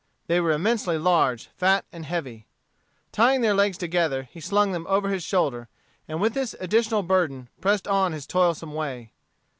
They were immensely large, fat, and heavy. Tying their legs together, he slung them over his shoulder, and with this additional burden pressed on his toilsome way.